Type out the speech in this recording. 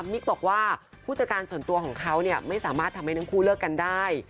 มิกบอกว่าผู้จัดการส่วนตัวของเขาเนี่ยไม่สามารถทำให้ทั้งคู่เลิกกันได้